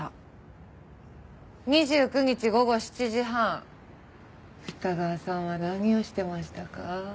２９日午後７時半二川さんは何をしてましたか？